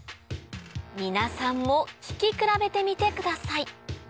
皆さんも聞き比べてみてください